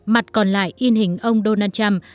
mặt còn lại in hình ông donald trump